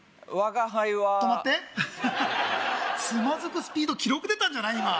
我が輩は止まってつまずくスピード記録出たんじゃない？